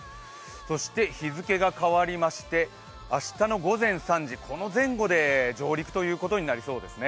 そして日付が変わりまして明日の午前３時、この前後で上陸ということになりそうですね。